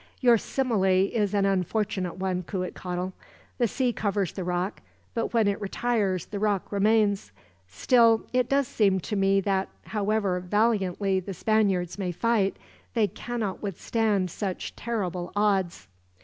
"Your simile is an unfortunate one, Cuitcatl. The sea covers the rock, but when it retires the rock remains. Still, it does seem to me that, however valiantly the Spaniards may fight, they cannot withstand such terrible odds.